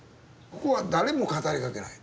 ここは誰も語りかけない。